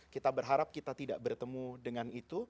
kita berharap kita tidak bertemu dengan itu